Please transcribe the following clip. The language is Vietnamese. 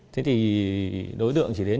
thế thì đối tượng chỉ đến